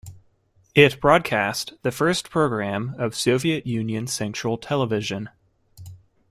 It broadcast the First Programme of Soviet Union Central Television.